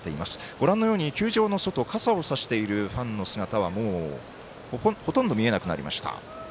ご覧のように球場の外傘を差しているファンの姿はもうほとんど見えなくなりました。